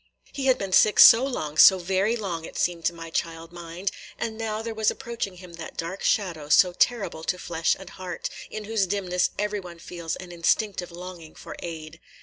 He had been sick so long, so very long, it seemed to my child mind! and now there was approaching him that dark shadow so terrible to flesh and heart, in whose dimness every one feels an instinctive longing for aid.